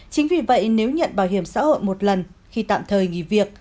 chính vì vậy nếu nhận bảo hiểm xã hội một lần khi tạm thời nghỉ việc